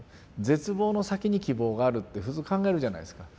絶望の先に希望があるって普通考えるじゃないですか。